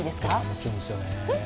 もちろんですよね。